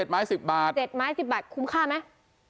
๗ไม้๑๐บาทคุ้มค่าไหม